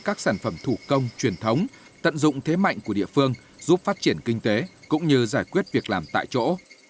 các sản phẩm thủ công truyền thống tận dụng thế mạnh của địa phương giúp phát triển kinh tế cũng như giải quyết việc làm tại chỗ